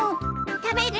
食べる？